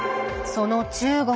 その中国。